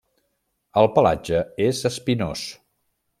El pelatge és espinós.